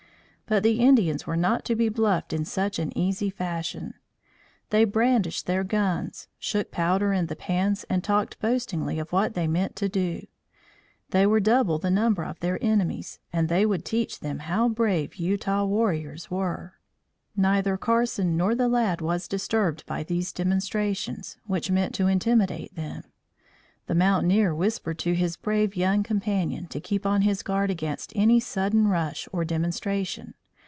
But the Indians were not to be bluffed in such an easy fashion. They brandished their guns, shook powder in the pans and talked boastingly of what they meant to do. They were double the number of their enemies and they would teach them how brave Utah warriors were. Neither Carson nor the lad was disturbed by these demonstrations, which meant to intimidate them. The mountaineer whispered to his brave young companion to keep on his guard against any sudden rush or demonstration.